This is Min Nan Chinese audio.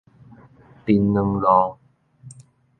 檳榔路